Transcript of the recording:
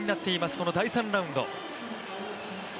この第３ラウンド。